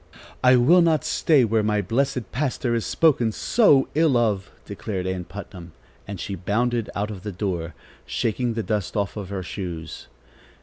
"I will not stay where my blessed pastor is spoken so ill of!" declared Ann Putnam, and she bounded out of the door, shaking the dust off her shoes.